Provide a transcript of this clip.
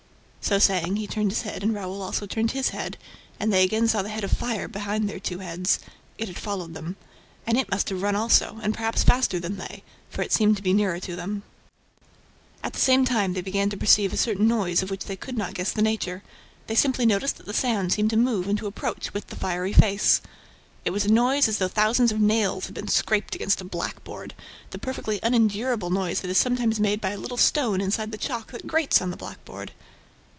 So saying, he turned his head and Raoul also turned his head; and they again saw the head of fire behind their two heads. It had followed them. And it must have run also, and perhaps faster than they, for it seemed to be nearer to them. At the same time, they began to perceive a certain noise of which they could not guess the nature. They simply noticed that the sound seemed to move and to approach with the fiery face. It was a noise as though thousands of nails had been scraped against a blackboard, the perfectly unendurable noise that is sometimes made by a little stone inside the chalk that grates on the blackboard.